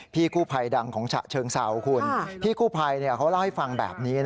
พี่คู่ไพท์ดังชะเชิงท์ซาพลพี่คู่ไพท์เขาเล่าให้ฟังแบบนี้